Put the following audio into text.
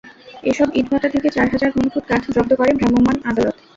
এসব ইটভাটা থেকে চার হাজার ঘনফুট কাঠ জব্দ করেন ভ্রাম্যমাণ আদালত।